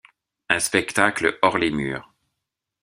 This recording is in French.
Un spectacle hors les murs.